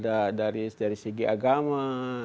ada dari segi agama